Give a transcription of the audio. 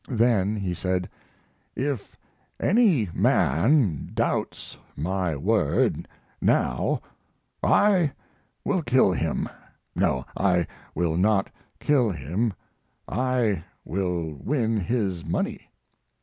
Then he said: If any man doubts my word now I will kill him. No, I will not kill him; I will win his money.